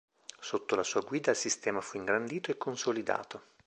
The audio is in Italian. Sotto la sua guida il sistema fu ingrandito e consolidato.